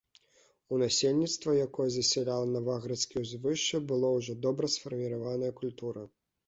У насельніцтва, якое засяляла наваградскія ўзвышшы, была ўжо добра сфарміраваная культура.